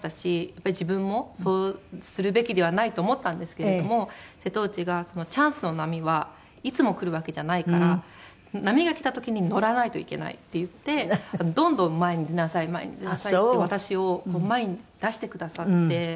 やっぱり自分もそうするべきではないと思ったんですけれども瀬戸内が「チャンスの波はいつも来るわけじゃないから波が来た時に乗らないといけない」って言ってどんどん前に行きなさい前に行きなさいって私を前に出してくださって。